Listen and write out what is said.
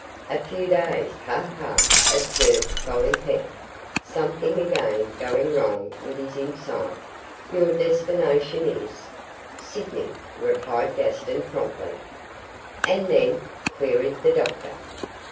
'A few days; ha, ha!' observed Gollipeck, something again going wrong with his inside. 'Your destination is ' 'Sydney,' replied Gaston, promptly. 'And then?' queried the doctor.